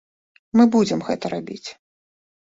Мы будзем гэта рабіць.